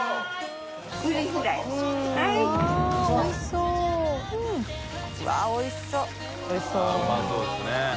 うわっおいしそう！